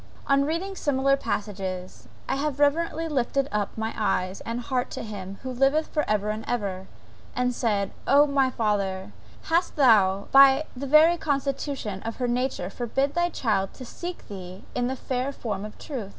On reading similar passages I have reverentially lifted up my eyes and heart to Him who liveth for ever and ever, and said, O my Father, hast Thou by the very constitution of her nature forbid Thy child to seek Thee in the fair forms of truth?